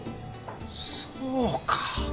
そうか！